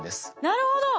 なるほど。